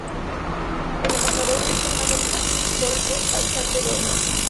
El embajador es Fernando Adolfo Alzate Donoso.